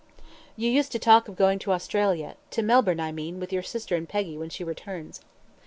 "You used to talk of going to Australia to Melbourne, I mean with your sister and Peggy, when she returns."